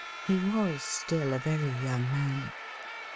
He was still a very young man.